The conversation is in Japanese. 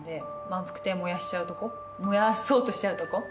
万福亭燃やしちゃうとこ燃やそうとしちゃうとこ。